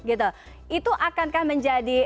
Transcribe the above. itu akankah menjadi